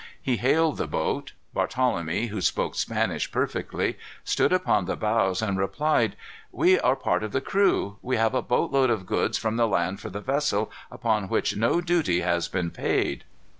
He hailed the boat. Barthelemy, who spoke Spanish perfectly, stood upon the bows, and replied: "We are a part of the crew. We have a boatload of goods from the land for the vessel, upon which no duty has been paid."